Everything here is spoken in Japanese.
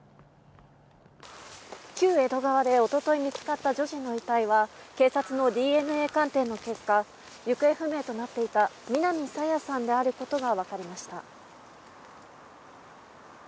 旧江戸川で一昨日見つかった女児の遺体は警察のＤＮＡ鑑定の結果行方不明となっていた南朝芽さんであることが分かりました。